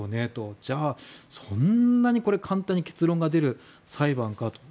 じゃあ、そんなにこれ簡単に結論が出る裁判かと。